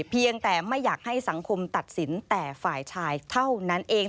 เพียงแต่ไม่อยากให้สังคมตัดสินแต่ฝ่ายชายเท่านั้นเอง